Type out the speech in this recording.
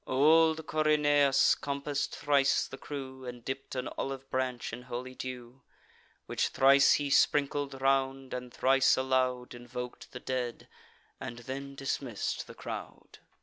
Old Corynaeus compass'd thrice the crew, And dipp'd an olive branch in holy dew; Which thrice he sprinkled round, and thrice aloud Invok'd the dead, and then dismissed the crowd.